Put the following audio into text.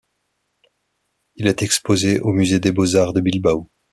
Il est exposé au musée de Beaux-Arts de Bilbao.